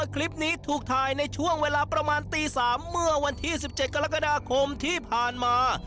คลิปนี้ถูกถ่ายในช่วงเวลาประมาณตี๓เมื่อวันที่๑๗กรกฎาคมที่ผ่านมา